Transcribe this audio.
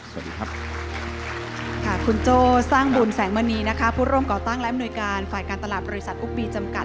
สวัสดีครับค่ะคุณโจ้สร้างบุญแสงมณีนะคะผู้ร่วมก่อตั้งและอำนวยการฝ่ายการตลาดบริษัทอุ๊กบีจำกัด